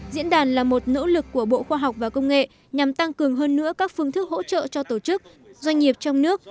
diễn đàn là một nỗ lực của bộ khoa học và công nghệ nhằm tăng cường hơn nữa các phương thức hỗ trợ cho tổ chức doanh nghiệp trong nước